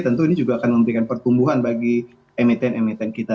tentu ini juga akan memberikan pertumbuhan bagi emiten emiten kita